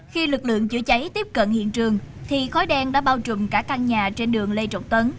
khi lực lượng chữa cháy tiếp cận hiện trường thì khói đen đã bao trùm cả căn nhà trên đường lê trọng tấn